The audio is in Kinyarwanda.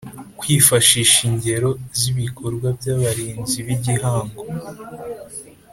Kwifashisha ingero z ibikorwa by abarinzi b igihango